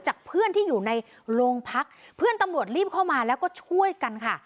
เพื่อนที่อยู่ในโรงพักเพื่อนตำรวจรีบเข้ามาแล้วก็ช่วยกันค่ะ